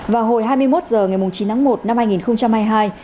vào hồi hai mươi một h ngày chín một hai nghìn hai mươi hai